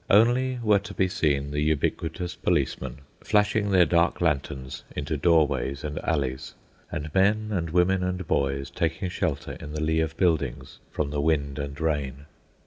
Only were to be seen the ubiquitous policemen, flashing their dark lanterns into doorways and alleys, and men and women and boys taking shelter in the lee of buildings from the wind and rain.